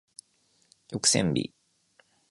曲線美